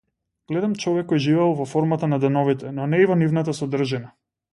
Гледам човек кој живеел во формата на деновите, но не и во нивната содржина.